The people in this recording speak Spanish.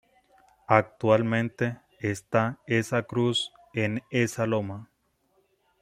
Actualmente esta esa cruz en esa loma.